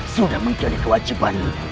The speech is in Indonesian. sudah menjadi kewajiban